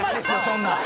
そんなん。